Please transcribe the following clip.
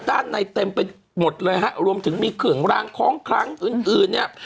ด้านในเต็มไปหมดเลยฮะรวมถึงมีเครื่องรางของครั้งอื่นอื่นเนี่ย